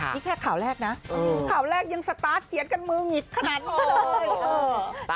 นี่แค่ข่าวแรกนะข่าวแรกยังสตาร์ทเขียนกันมือหงิดขนาดนี้เลย